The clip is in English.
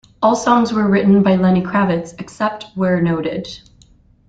All songs were written by Lenny Kravitz, except where noted.